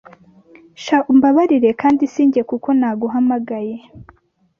Sha umbabarire kandi sinjye kuko naguhamagaye